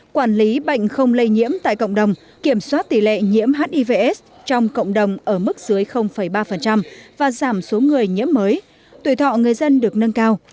quản lý bệnh không lây nhiễm tại cộng đồng kiểm soát tỷ lệ nhiễm hivs trong cộng đồng ở mức dưới ba và giảm số người nhiễm mới tuổi thọ người dân được nâng cao